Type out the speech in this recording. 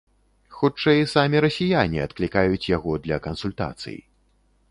Хутчэй самі расіяне адклікаюць яго для кансультацый.